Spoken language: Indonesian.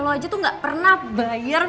lo aja tuh gak pernah bayar